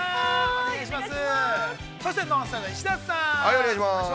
◆お願いいたします。